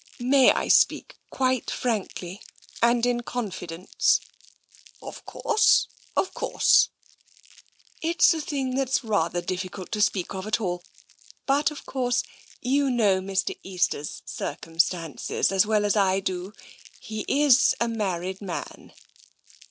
" May I speak quite frankly, and in confidence? "" Of course, of course." " It's a thing that's rather difficult to speak of at all, but, of course, you know Mr. Easter's circum stances as well as I do. He is a married man."